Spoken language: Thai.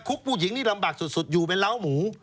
ผู้หญิงนี่ลำบากสุดอยู่เป็นเล้าหมู